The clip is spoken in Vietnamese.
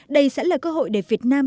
đây sẽ là cơ hội để việt nam